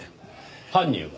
犯人は？